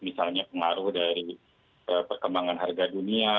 misalnya pengaruh dari perkembangan harga dunia